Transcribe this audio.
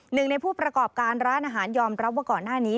หนึ่งในผู้ประกอบการร้านอาหารยอมรับว่าก่อนหน้านี้